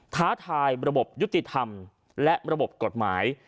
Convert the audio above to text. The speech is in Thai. ท้าทายระบบยุติธรรมและระบบกฎหมาย